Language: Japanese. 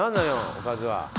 おかずは。